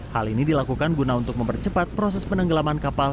hal ini dilakukan guna untuk mempercepat proses penenggelaman kapal